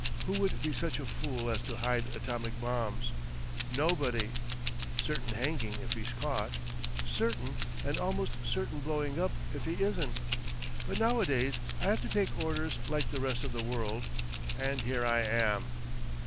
Who would be such a fool as to hide atomic bombs? Nobody. Certain hanging if he's caught—certain, and almost certain blowing up if he isn't. But nowadays I have to take orders like the rest of the world. And here I am.